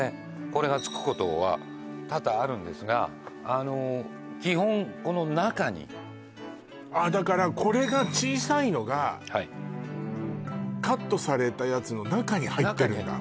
これがつくことは多々あるんですが基本この中にだからこれが小さいのがカットされたやつの中に入ってるんだ